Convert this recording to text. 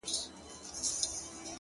خاونده زور لرم خواږه خو د يارۍ نه غواړم،